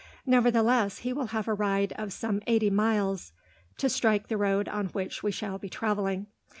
Nevertheless, he will have a ride of some eighty miles to strike the road on which we shall be travelling.